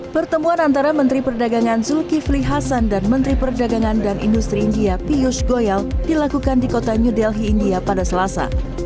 pertemuan antara menteri perdagangan zulkifli hasan dan menteri perdagangan dan industri india pius goyal dilakukan di kota new delhi india pada selasa